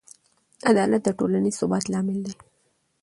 عدالت د ټولنیز ثبات لامل دی.